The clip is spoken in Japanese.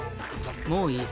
もういい。